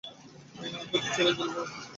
এখন তো ছেলে জেল খেটে এসেছে।